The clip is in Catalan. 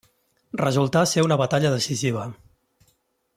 Resultà ser una batalla decisiva.